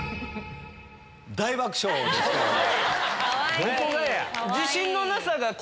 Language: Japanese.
大爆笑ですけども。